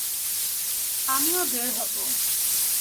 আমিও বের হব!